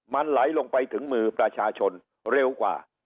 มันไหลลงไปถึงมือประชาชนเร็วกว่า